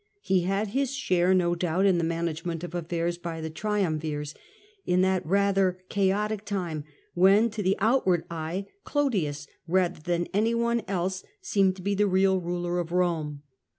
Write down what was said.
He had his share, no doubt, in the management of affairs by the triumvirs in that rather chaotic time, when, to the out ward eye, Clodius rather than any one else seemed to be the real ruler of Rome.